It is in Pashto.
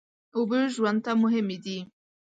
اوبه ژوند ته مهمې دي.